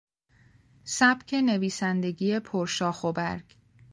سبک نویسندگی پر شاخ و برگ